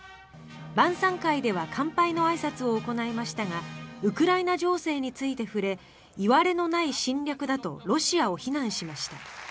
晩さん会では乾杯のあいさつを行いましたがウクライナ情勢について触れいわれのない侵略だとロシアを非難しました。